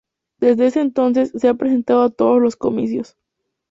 Desde ese entonces se ha presentado a todos los comicios.